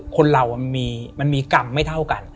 คนเรามันมีกรรมไม่เท่ากัน